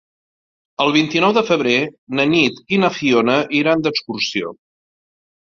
El vint-i-nou de febrer na Nit i na Fiona iran d'excursió.